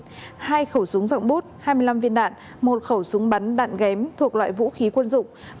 hai khẩu súng rộng bút hai mươi năm viên đạn một khẩu súng bắn đạn ghém thuộc loại vũ khí quân dụng